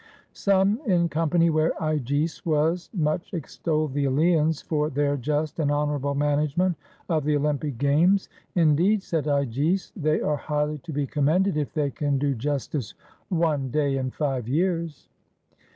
Some, in company where Agis was, much extolled the Eleans for their just and honorable management of the Olympic games; "Indeed," said Agis, "they are highly to be commended if they can do justice one day in five years."